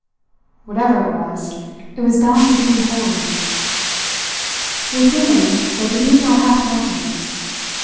Whatever it was, it was bound to be wholly! With women there could be no half measures.